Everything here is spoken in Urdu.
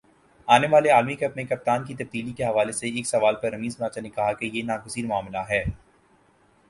آنے والے عالمی کپ میں کپتان کی تبدیلی کے حوالے سے ایک سوال پر رمیز راجہ نے کہا کہ یہ ناگزیر معاملہ ہے